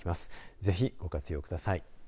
ぜひ、ご活用ください。